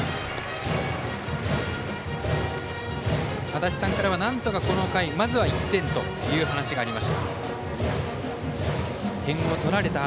足達さんからは、なんとかこの回まずは１点という話がありました。